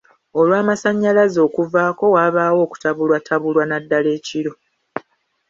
Olw'amasanyalzae okuvaako wabaawo okutabulwatabulwa naddala ekiro.